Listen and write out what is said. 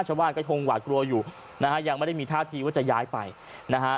ชาวบ้านก็คงหวาดกลัวอยู่นะฮะยังไม่ได้มีท่าทีว่าจะย้ายไปนะฮะ